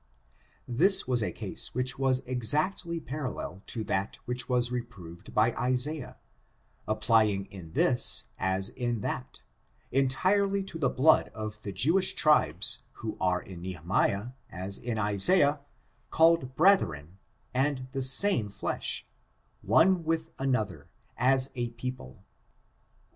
This w/is a case which was exactly pafallel to that which was reproved by Isaiah, applying in tkis^ as in that, entirely to the blood of the Jewish tribes, who are in Nehemiah, as in Isaiah, called brethren^ and the same flesh, one with another, as a people.